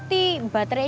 rika udah kembali ke rumah